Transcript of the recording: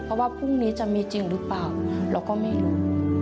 เพราะว่าพรุ่งนี้จะมีจริงหรือเปล่าเราก็ไม่รู้